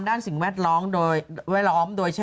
ด้านสิ่งแวดล้อมโดย